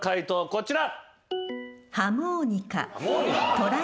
こちら。